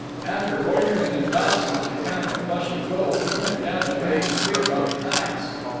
After loiterin' in Dawson on account of Flush of Gold, he went down to Mammon Creek on the ice.